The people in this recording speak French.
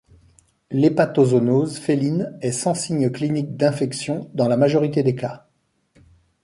L'hépatozoonose féline est sans signe clinique d'infection dans la majorité des cas.